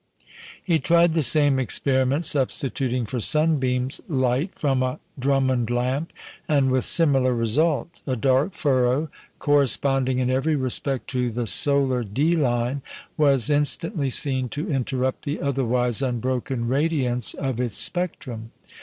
He tried the same experiment, substituting for sunbeams light from a Drummond lamp, and with similar result. A dark furrow, corresponding in every respect to the solar D line, was instantly seen to interrupt the otherwise unbroken radiance of its spectrum.